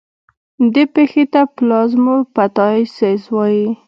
دې پېښې ته پلازموپټایسس وایي.